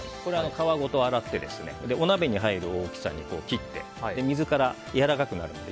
皮ごと洗ってお鍋に入る大きさに切って水からやわらかくなるので。